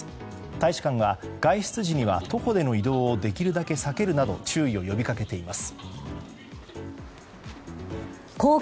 大使館は外出時には徒歩での移動をできるだけ避けるなど注意を呼び掛けています。